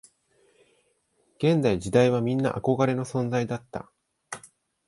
現役時代はみんな憧れの存在だった